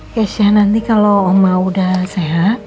keisha nanti kalau omah udah sehat